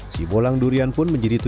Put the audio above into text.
si bolang durian pun menjadi turun